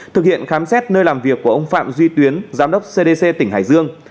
thực hiện khám xét nơi làm việc của ông phạm duy tuyến giám đốc cdc tỉnh hải dương